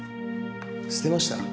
捨てました。